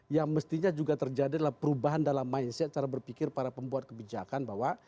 yang mestinya juga terjadi adalah perubahan dalam mindset cara berpikir para pembuat kebijakan bahwa